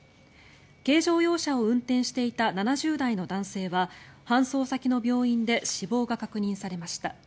軽乗用車を運転していた７０代の男性は搬送先の病院で死亡が確認されました。